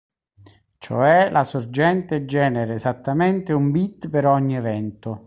Cioè la sorgente genera esattamente un bit per ogni evento.